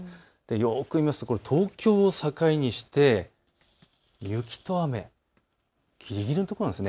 よく見ますと東京を境にして雪と雨、ぎりぎりのところなんです。